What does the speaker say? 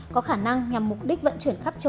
có khả năng nhằm mục đích vận chuyển khắp trường